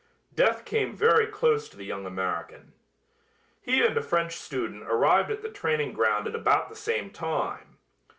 Death came very close to the young American. He and a French student arrived at the training ground at about the same time.